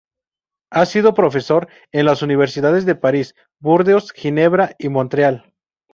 Ha sido profesor en las universidades de París, Burdeos, Ginebra y Montreal.